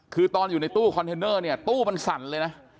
คือตอนอยู่ในตู้คอนเทนเนอร์เนี่ยตู้มันสั่นเลยนะ